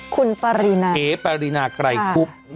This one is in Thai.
คุณปรินาเอ๋ปารีนาไกรคุบ